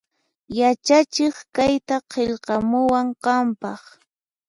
Yachachiq kayta qillqamuwan qanpaq